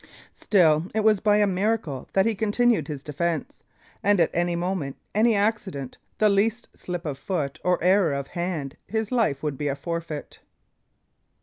Still, it was by a miracle that he continued his defence, and at any moment, any accident, the least slip of foot or error of hand, his life would be a forfeit.